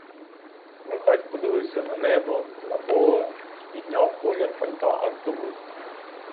Михась подивився на небо, на поле й підняв комір пальта аж до вух.